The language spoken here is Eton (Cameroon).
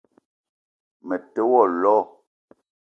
Me te wo lo